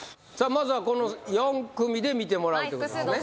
まずはこの４組で見てもらうということですね